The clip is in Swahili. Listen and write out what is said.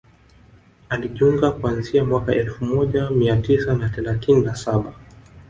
alijiunga kuanzia mwaka elfu moja mia tisa na thelathini na saba